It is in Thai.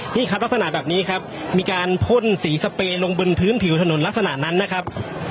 นี่ครับลักษณะแบบนี้ครับมีการพ่นสีสเปรย์ลงบนพื้นผิวถนนลักษณะนั้นนะครับ